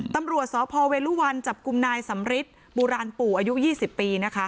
ตำรวจสพเวลุวันจับกลุ่มนายสำริทบุราณปู่อายุ๒๐ปีนะคะ